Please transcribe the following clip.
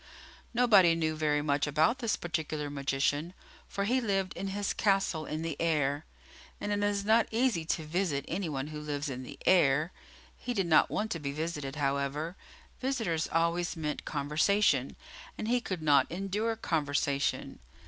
Nobody knew very much about this particular magician, for he lived in his castle in the air, and it is not easy to visit any one who lives in the air. He did not want to be visited, however; visitors always meant conversation, and he could not endure conversation.